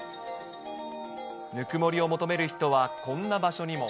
ぬくもりを求める人は、こんな場所にも。